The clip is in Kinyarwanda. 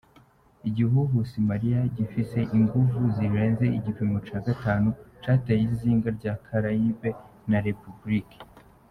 Igihuhusi Maria gifise inguvu zirenze igipimo ca gatanu cateye izinga rya Caraibe na Rep.